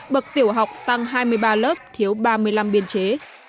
bậc học mầm non tăng ba mươi một lớp thiếu một trăm linh sáu biên chế